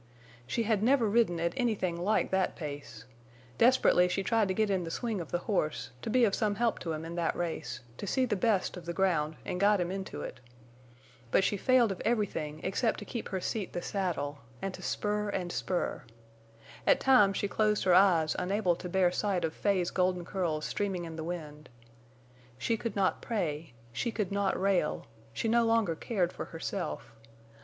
She had never ridden at anything like that pace; desperately she tried to get the swing of the horse, to be of some help to him in that race, to see the best of the ground and guide him into it. But she failed of everything except to keep her seat the saddle, and to spur and spur. At times she closed her eyes unable to bear sight of Fay's golden curls streaming in the wind. She could not pray; she could not rail; she no longer cared for herself.